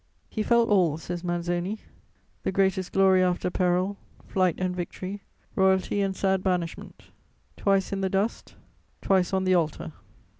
"He felt all," says Manzoni, "the greatest glory after peril, flight and victory, royalty and sad banishment: twice in the dust, twice on the altar.